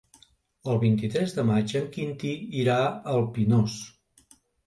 El vint-i-tres de maig en Quintí irà al Pinós.